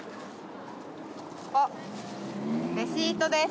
あっレシートです。